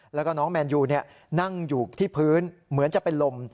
แล้วก็น้องแมนยูนั่งอยู่ที่พื้นเหมือนจะเป็นลม